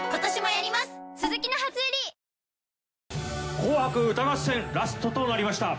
『紅白歌合戦』ラストとなりました